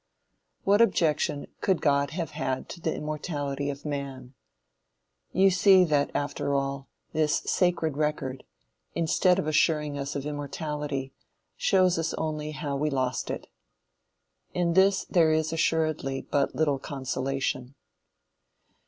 What objection could God have had to the immortality of man? You see that after all, this sacred record, instead of assuring us of immortality, shows us only how we lost it. In this there is assuredly but little consolation.